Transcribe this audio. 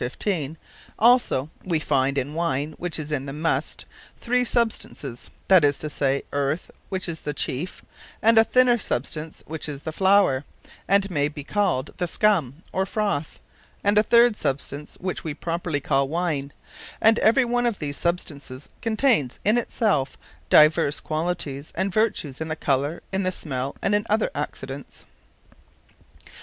15._ Also we finde in Wine which is in the Must, three substances, that is to say, earth, which is the chiefe; and a thinner substance, which is the flower, and may be called the scum, or froath: and a third substance which we properly call Wine; And every one of these substances, containes in it selfe divers qualities, and vertues; in the colour, in the smell, and in other Accidents.